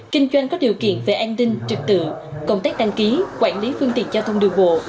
kinh doanh có điều kiện về an ninh trực tự công tác đăng ký quản lý phương tiện giao thông đường bộ